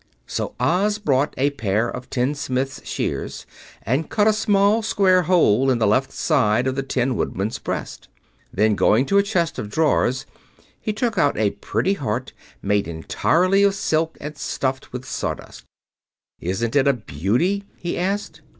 So Oz brought a pair of tinsmith's shears and cut a small, square hole in the left side of the Tin Woodman's breast. Then, going to a chest of drawers, he took out a pretty heart, made entirely of silk and stuffed with sawdust. "Isn't it a beauty?" he asked.